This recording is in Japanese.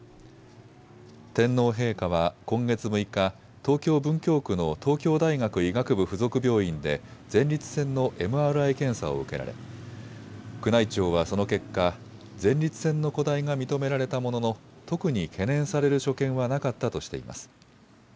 天皇陛下は今月６日、東京文京区の東京大学医学部附属病院で前立腺のＭＲＩ検査を受けられ、宮内庁はその結果、前立腺の肥大が認められたものの特に懸念される所見はなかったとしています。